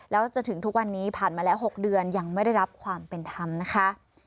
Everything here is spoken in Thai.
แล้วจนถึงทุกวันนี้ผ่านมาแล้ว๖เดือนยังไม่ได้รับความเป็นธรรมนะคะ